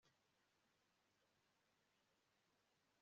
Bamurika kuri iryo jisho ryimbere